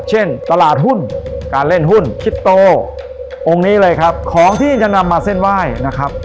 เช่นตลาดหุ้นการเล่นหุ้นคิดโตองค์นี้เลยครับของที่จะนำมาเส้นไหว้นะครับ